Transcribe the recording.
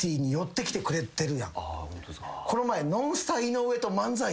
この前。